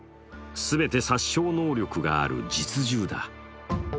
全て殺傷能力がある実銃だ。